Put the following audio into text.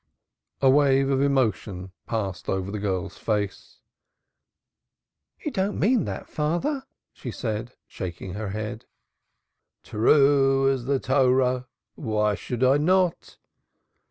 A wave of emotion passed over the girl's face. "You don't mean that, father," she said, shaking her head. "True as the Torah! Why should I not?"